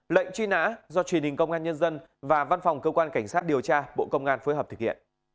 lệnh truy nã do truyền hình công an nhân dân và văn phòng cơ quan cảnh sát điều tra bộ công an phối hợp thực hiện